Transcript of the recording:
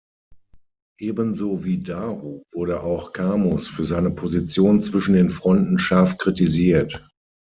Ebenso wie Daru wurde auch Camus für seine Position zwischen den Fronten scharf kritisiert.